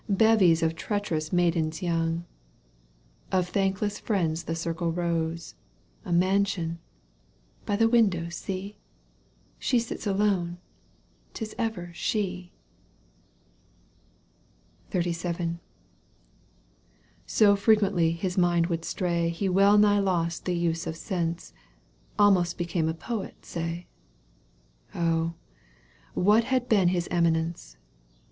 Bevies of treacherous maidens young ; Of thankless friends the circle rose, A mansion — by the window, see ! She sits alone — 'tis ever she ! XXXVII. So frequently his mind would stray He well nigh lost the use of sense. Almost became a poet say — Oh ! what had been his eminence